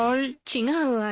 違うわよ。